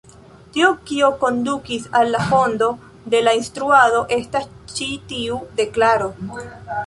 Tio, kio kondukis al la fondo de la instruado, estas ĉi tiu deklaro.